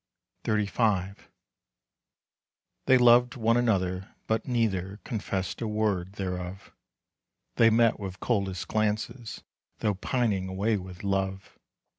XXXV. They loved one another, but neither Confessed a word thereof. They met with coldest glances, Though pining away with love.